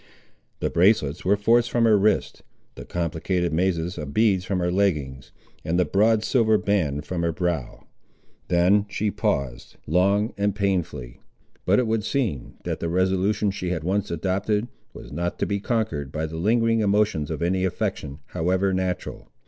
The bracelets were forced from her wrists, the complicated mazes of beads from her leggings, and the broad silver band from her brow. Then she paused, long and painfully. But it would seem, that the resolution, she had once adopted, was not to be conquered by the lingering emotions of any affection, however natural.